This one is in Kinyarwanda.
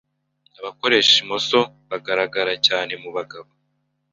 abakoresha imoso bagaragara cyane mu bagabo